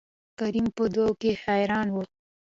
کريم په دو کې حيران وو.